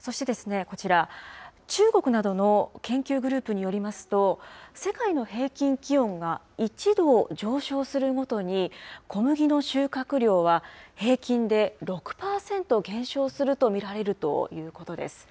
そして、こちら、中国などの研究グループによりますと、世界の平均気温が１度上昇するごとに、小麦の収穫量は平均で６％減少すると見られるということです。